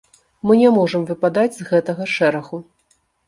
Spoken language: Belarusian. Мы не можам выпадаць з гэтага шэрагу.